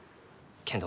けんど。